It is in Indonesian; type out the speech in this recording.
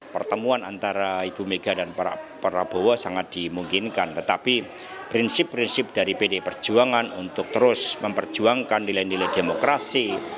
pertemuan antara ibu mega dan pak prabowo sangat dimungkinkan tetapi prinsip prinsip dari pdi perjuangan untuk terus memperjuangkan nilai nilai demokrasi